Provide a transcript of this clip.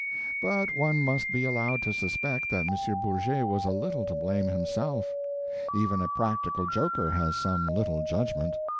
But one must be allowed to suspect that M. Bourget was a little to blame himself. Even a practical joker has some little judgment.